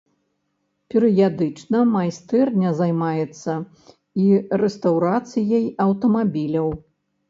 Перыядычна майстэрня займаецца і рэстаўрацыяй аўтамабіляў.